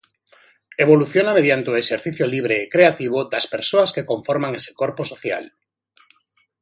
Evoluciona mediante o exercicio libre e creativo das persoas que conforman ese corpo social.